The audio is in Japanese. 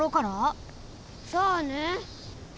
さあね。